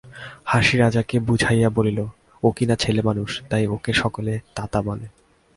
হাসি রাজাকে বুঝাইয়া বলিল, ও কিনা ছেলেমানুষ, তাই ওকে সকলে তাতা বলে।